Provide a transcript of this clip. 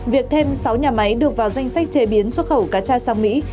việc thêm sáu nhà máy được vào danh sách chế biến xuất khẩu cà tra sang mỹ